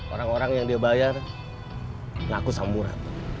orang orang yang dia bayar ngaku sama murad